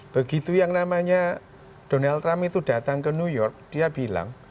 begitu yang namanya donald trump itu datang ke new york dia bilang